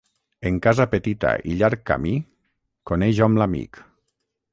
En casa petita i llarg camí, coneix hom l'amic.